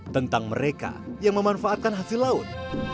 tentang mereka yang memanfaatkan hasil laut